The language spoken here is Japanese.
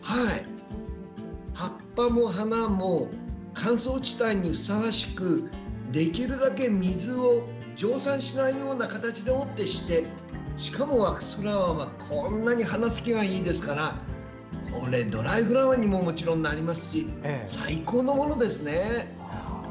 葉っぱも花も乾燥地帯にふさわしくできるだけ水を蒸散しないような形でしかもワックスフラワーはこんなに花つきがいいですからこれドライフラワーにももちろんなりますし最高のものですね！